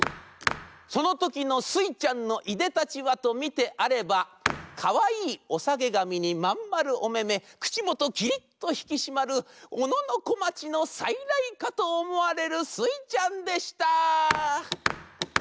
「そのときのスイちゃんのいでたちはとみてあればかわいいおさげがみにまんまるおめめくちもときりっとひきしまるおののこまちのさいらいかとおもわれるスイちゃんでした！」。